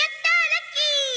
ラッキー！